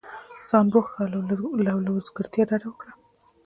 ځان بوخت كړه او له وزګارتیا ډډه وكره!